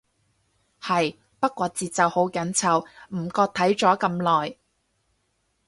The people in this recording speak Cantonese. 係，不過節奏好緊湊，唔覺睇咗咁耐